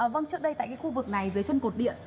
vâng trước đây tại cái khu vực này dưới chân cột điện